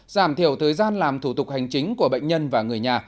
giảm thiểu thời gian làm thủ tục hành chính của bệnh nhân và người nhà